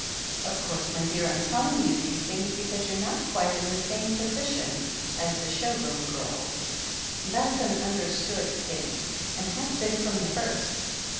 Of course, my dear, Fm telling you these things because you're not quite in the same position as the show room girls. That's an understood thing, and has been from the first.